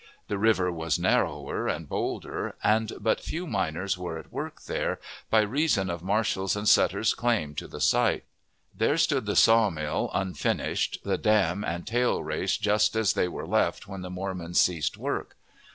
The river was narrower and bolder, and but few miners were at work there, by reason of Marshall's and Sutter's claim to the site. There stood the sawmill unfinished, the dam and tail race just as they were left when the Mormons ceased work.